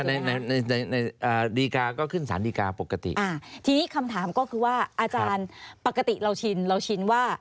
ในดีการ์ก็ขึ้นสารดีการ์ปกติ